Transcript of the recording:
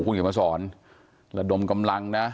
คุณอยากมาสอนระดมกำลังนะ